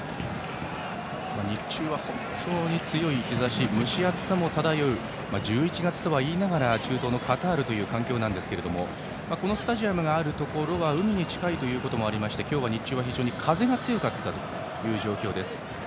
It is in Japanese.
日中は本当に強い日ざし蒸し暑さも漂う１１月とはいいながら中東のカタールという環境ですがこのスタジアムがあるところは海に近いこともありまして今日は日中は非常に風が強かった状況です。